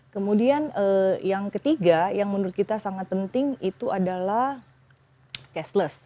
kemudian yang ketiga yang menurut kita sangat penting itu adalah cashless